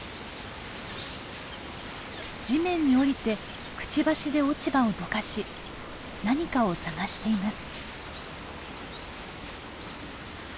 地面に降りてくちばしで落ち葉をどかし何かを探しています。